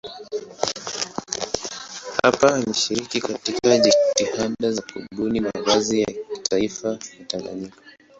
Hapa alishiriki katika jitihada za kubuni mavazi ya kitaifa ya Tanganyika.